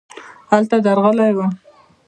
هلته درغلی وم .